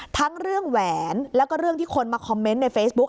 ทั้งเรื่องแหวนแล้วก็เรื่องที่คนมาคอมเมนต์ในเฟซบุ๊ค